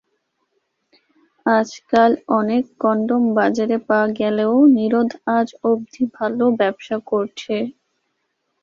আজকাল অনেক কনডম বাজারে পাওয়া গেলেও নিরোধ আজ অবধি ভালো ব্যবসা করছে।